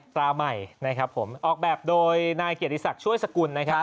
ตราใหม่นะครับผมออกแบบโดยนายเกียรติศักดิ์ช่วยสกุลนะครับ